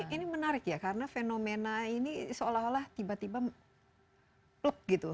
ini menarik ya karena fenomena ini seolah olah tiba tiba pluk gitu